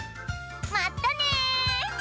まったね！